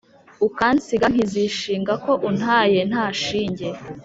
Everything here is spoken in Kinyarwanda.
Ukansiga nkizishinga Ko untaye nta shinge